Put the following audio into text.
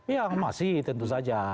ya masih tentu saja